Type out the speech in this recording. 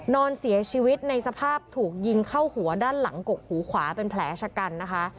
นอนเสียชีวิตในสภาพถูกยิงเข้าหัวด้านหลังกกหูขวาเป็นแผลชะกันนะคะ